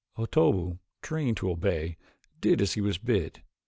Otobu, trained to obey, did as he was bid.